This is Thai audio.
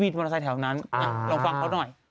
แต่แถวนั้นลองฟังเขาหน่อย